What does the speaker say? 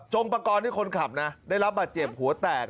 จงปกรณ์ที่คนขับนะได้รับบัตรเจ็บหัวแตก